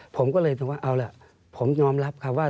ผมก็เลยถือว่าเอาล่ะผมยอมรับครับว่า